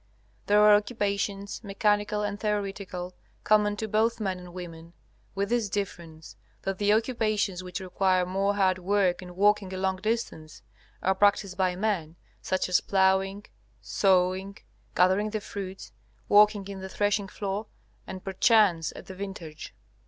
There are occupations, mechanical and theoretical, common to both men and women, with this difference, that the occupations which require more hard work, and walking a long distance, are practised by men, such as ploughing, sowing, gathering the fruits, working at the threshing floor, and perchance at the vintage.